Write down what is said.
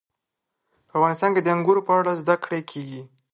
په افغانستان کې د انګورو په اړه زده کړه کېږي.